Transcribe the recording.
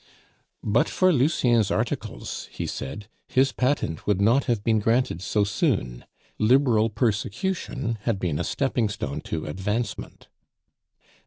But for Lucien's articles, he said, his patent would not have been granted so soon; Liberal persecution had been a stepping stone to advancement.